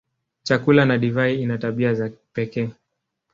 Chakula na divai ina tabia za pekee.